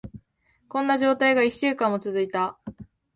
こんな状態が一週間以上も続いた。